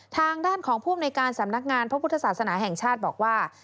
ทางด้านของผู้อำนวยการสำนักงานพระพุทธศาสนาแห่งชาติบอกว่า